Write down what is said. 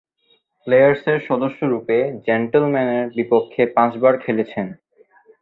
প্লেয়ার্সের সদস্যরূপে জেন্টলম্যানের বিপক্ষে পাঁচবার খেলেছেন।